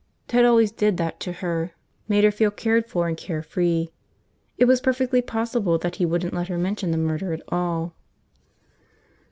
Ted always did that to her, made her feel cared for and carefree. It was perfectly possible that he wouldn't let her mention the murder at all.